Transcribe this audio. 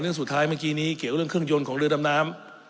เรื่องสุดท้ายเมื่อกี้นี้เกี่ยวเรื่องเครื่องยนต์ของเรือดำน้ำ